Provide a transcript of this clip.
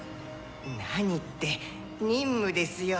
何って任務ですよ。